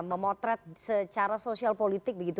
memotret secara sosial politik begitu